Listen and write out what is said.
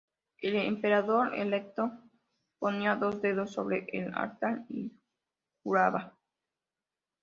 El emperador electo ponía dos dedos sobre el altar y juraba.